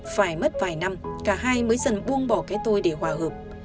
phải mất vài năm cả hai mới dần buông bỏ cái tôi để hòa hợp